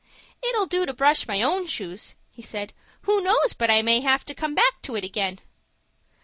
"It'll do to brush my own shoes," he said. "Who knows but I may have to come back to it again?"